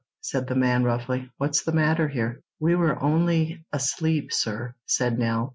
said the man roughly, "what's the matter here?" "We were only asleep, sir," said Nell.